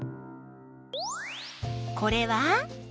これは？